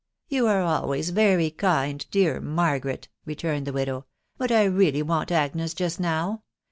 " You are always very kind, dear Margaret," returned the widow, " but I really want Agnes just now.